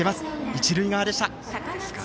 一塁側でした。